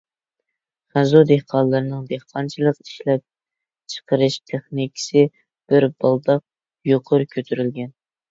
خەنزۇ دېھقانلىرىنىڭ دېھقانچىلىق ئىشلەپچىقىرىش تېخنىكىسى بىر بالداق يۇقىرى كۆتۈرۈلگەن.